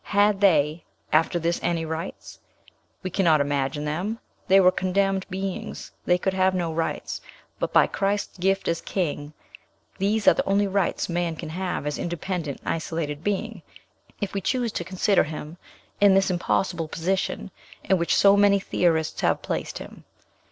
Had they, after this, any rights? We cannot imagine them; they were condemned beings; they could have no rights, but by Christ's gift as king. These are the only rights man can have as an independent isolated being, if we choose to consider him in this impossible position, in which so many theorists have placed him.